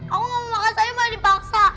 aku mau makan saya malah dipaksa